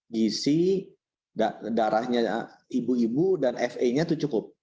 gisi darahnya ibu ibu dan fa nya itu cukup